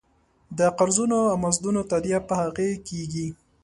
د قرضونو او مزدونو تادیه په هغې کېږي.